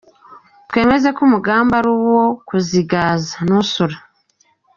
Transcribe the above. Twemeza ko umugambi ari uwo gusigaza Nusra.